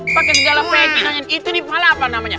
pake segala peci itu nih pahala apa namanya